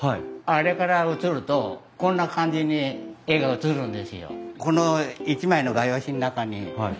あれから映るとこんな感じに絵が映るんですよ。